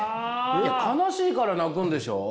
悲しいから泣くんでしょう？